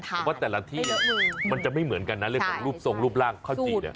แต่ว่าแต่ละที่มันจะไม่เหมือนกันนะเรื่องของรูปทรงรูปร่างข้าวจีน